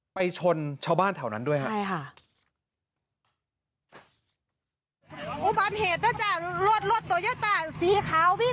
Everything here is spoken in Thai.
ไปชนชาวบ้านเท่านั้นด้วยฮะ